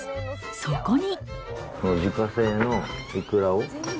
そこに。